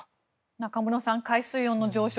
中室さん、海水温の上昇